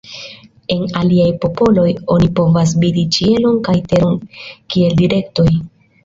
En aliaj popoloj oni povas vidi ĉielon kaj teron kiel direktoj.